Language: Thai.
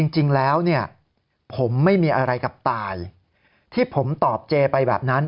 จริงแล้วเนี่ยผมไม่มีอะไรกับตายที่ผมตอบเจไปแบบนั้น